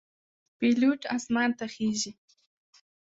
پیلوټ آسمان ته خیژي.